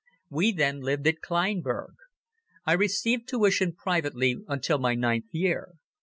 We then lived at Kleinburg. I received tuition privately until my ninth year.